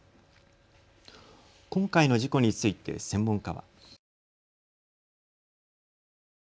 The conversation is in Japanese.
今回の事故について専門家は。